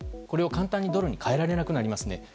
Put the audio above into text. これを簡単にドルに換えられなくなりますね。